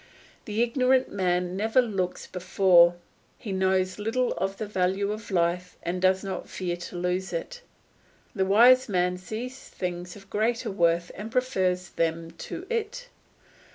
The ignorant man never looks before; he knows little of the value of life and does not fear to lose it; the wise man sees things of greater worth and prefers them to it.